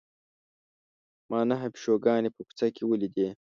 ما نهه پیشوګانې په کوڅه کې ولیدې.